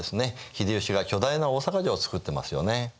秀吉が巨大な大坂城を造ってますよね。